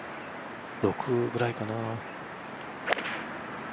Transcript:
６ぐらいかな。